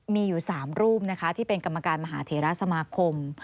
มีอยู่๓รูปนะคะที่เป็นกรรมการมหาเทราสมาคม